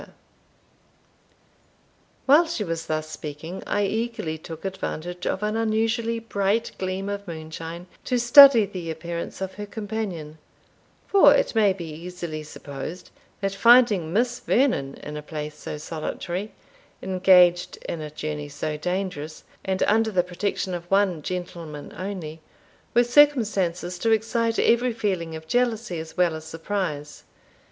_" While she was thus speaking, I eagerly took advantage of an unusually bright gleam of moonshine, to study the appearance of her companion; for it may be easily supposed, that finding Miss Vernon in a place so solitary, engaged in a journey so dangerous, and under the protection of one gentleman only, were circumstances to excite every feeling of jealousy, as well as surprise.